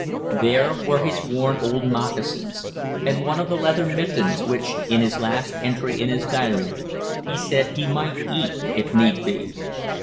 There were his worn old moccasins, and one of the leather mittens, which, in his last entry in his diary he said he might eat if need be.